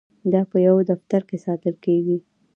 دا په یو دفتر کې ساتل کیږي.